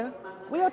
kami sedang berbicara